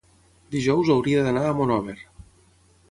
Dijous hauria d'anar a Monòver.